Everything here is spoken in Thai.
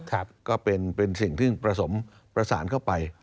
จากก็เป็นเป็นสิ่งที่ประสงค์ประสานเข้าไป